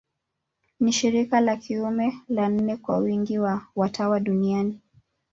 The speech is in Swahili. Ni shirika la kiume la nne kwa wingi wa watawa duniani.